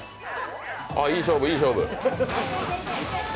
いい勝負、いい勝負。